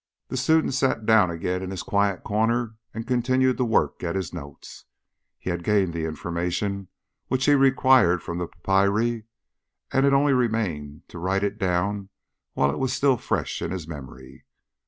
The student sat down again in his quiet corner, and continued to work at his notes. He had gained the information which he required from the papyri, and it only remained to write it down while it was still fresh in his memory.